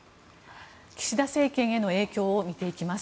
岸田政権への影響を見ていきます。